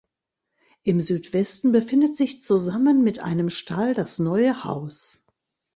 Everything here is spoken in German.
Im Südwesten befindet sich zusammen mit einem Stall das neue Haus.